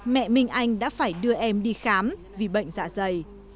mẹ minh anh đã phải đưa em đi khám vì bệnh dạ dày